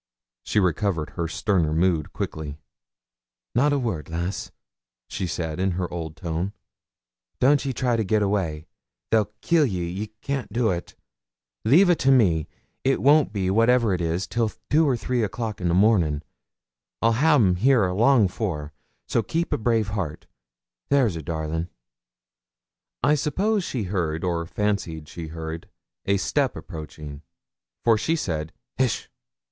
She recovered her sterner mood quickly 'Not a word, lass,' she said, in her old tone. 'Don't ye try to git away they'll kill ye ye can't do't. Leave a' to me. It won't be, whatever it is, till two or three o'clock in the morning. I'll ha'e them a' here long afore; so keep a brave heart there's a darling.' I suppose she heard, or fancied she heard, a step approaching, for she said 'Hish!'